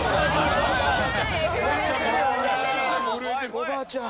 おばあちゃん